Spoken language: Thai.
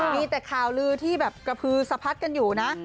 มีแต่ข่าวลือที่แบบกระพือสะพัดกันอยู่นะ